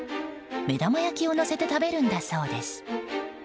目玉焼きをのせて食べるんだそうです。